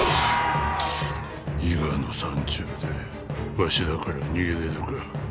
伊賀の山中でわしらから逃げれるか。